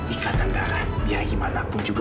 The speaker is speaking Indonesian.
ikatan darah biar gimanapun juga